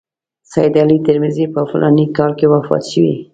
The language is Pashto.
سید علي ترمذي په فلاني کال کې وفات شوی.